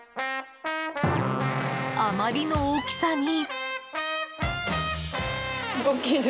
あまりの大きさに。